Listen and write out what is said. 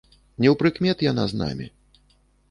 Неўпрыкмет яна з намі.